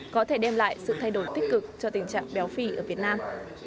có thể đem lại sự thay đổi tích cực cho tình trạng béo phì ở việt nam